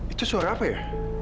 itu suara apa ya